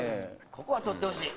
ここは取ってほしい。